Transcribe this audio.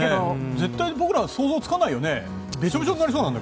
絶対僕ら想像つかないよね。